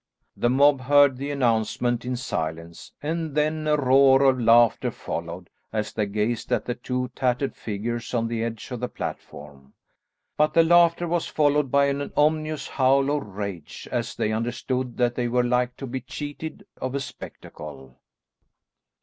The mob heard the announcement in silence, and then a roar of laughter followed, as they gazed at the two tattered figures on the edge of the platform. But the laughter was followed by an ominous howl of rage, as they understood that they were like to be cheated of a spectacle.